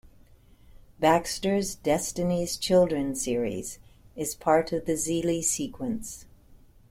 Baxter's "Destiny's Children" series is part of the Xeelee Sequence.